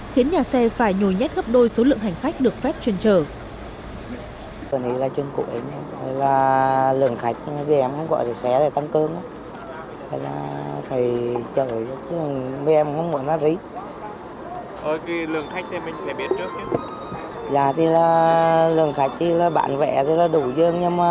khiến nhà xe phải nhổi nhét gấp đôi số lượng hành khách được phép chuyên trở